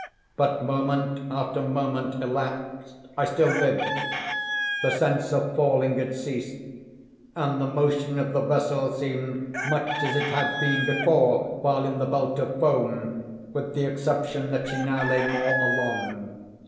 But moment after moment elapsed. I still lived. The sense of falling had ceased; and the motion of the vessel seemed much as it had been before, while in the belt of foam, with the exception that she now lay more along.